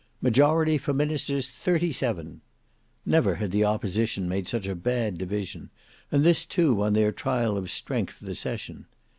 Majority for Ministers thirty seven! Never had the opposition made such a bad division, and this too on their trial of strength for the session.